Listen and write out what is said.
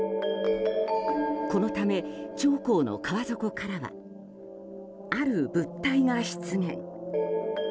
このため長江の川底からはある物体が出現。